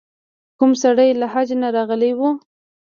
کوم سړی له حج نه راغلی و.